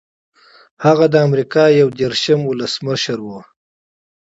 هغه د امریکا یو دېرشم ولسمشر و.